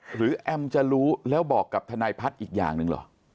แอมจะรู้แล้วบอกกับทนายพัฒน์อีกอย่างหนึ่งเหรอ